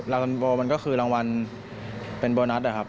รางวัลโบมันก็คือรางวัลเป็นโบนัสนะครับ